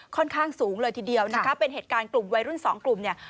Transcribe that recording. ค่อนข้างสูงเลยทีเดียวเป็นเหตุการณ์กลุ่มวัยรุ่น๒กลุ่ม